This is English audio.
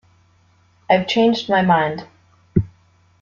I’ve changed my mind